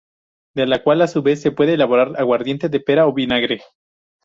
De la cual, a su vez, se puede elaborar aguardiente de pera o vinagre.